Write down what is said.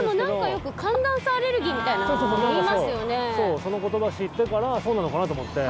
その言葉を知ってからそうなのかなって思って。